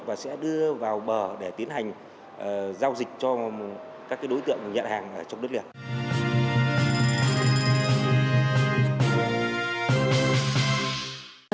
và sẽ đưa vào bờ để tiến hành giao dịch cho các đối tượng nhận hàng trong đất liền